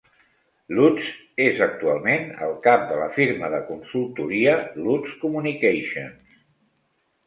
Lutz és actualment el cap de la firma de consultoria Lutz Communications.